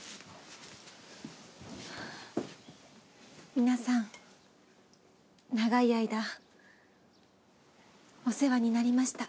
皆さん長い間お世話になりました。